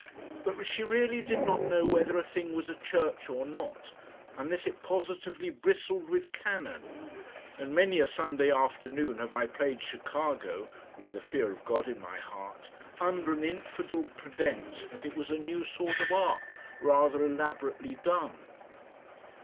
But she really did not know whether a thing was a church or not unless it positively bristled with cannon, and many a Sunday afternoon have I played Chicago (with the fear of God in my heart) under an infidel pretence that it was a new sort of ark rather elaborately done.